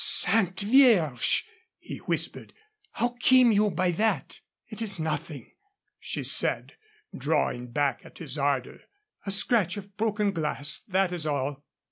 "Sainte Vierge!" he whispered. "How came you by that?" "It is nothing," she said, drawing back at his ardor. "A scratch of broken glass. That is all."